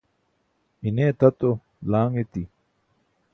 ine tato laaṅ eti